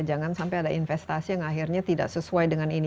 jangan sampai ada investasi yang akhirnya tidak sesuai dengan ini